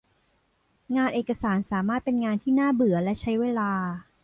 งานเอกสารสามารถเป็นงานที่น่าเบื่อและใช้เวลา